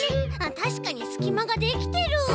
たしかにすきまができてる！